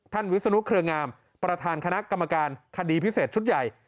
วิศนุเครืองามประธานคณะกรรมการคดีพิเศษชุดใหญ่